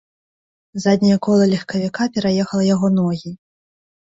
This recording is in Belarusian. Задняе кола легкавіка пераехала яго ногі.